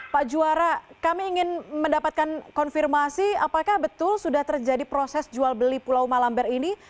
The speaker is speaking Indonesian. pak juara kami ingin mendapatkan konfirmasi apakah betul sudah terjadi proses jual beli pulau malamber ini